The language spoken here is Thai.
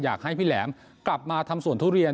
อยากให้พี่แหลมกลับมาทำสวนทุเรียน